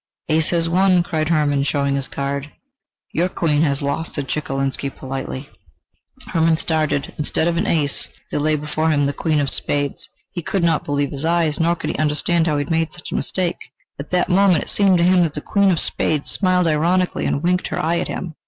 "Ace has won!" cried Hermann, showing his card. "Your queen has lost," said Chekalinsky, politely. Hermann started; instead of an ace, there lay before him the queen of spades! He could not believe his eyes, nor could he understand how he had made such a mistake. At that moment it seemed to him that the queen of spades smiled ironically and winked her eye at him.